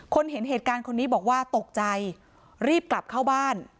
เห็นเหตุการณ์คนนี้บอกว่าตกใจรีบกลับเข้าบ้าน